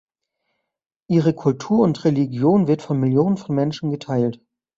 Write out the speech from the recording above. Ihre Kultur und Religion wird von Millionen von Menschen geteilt.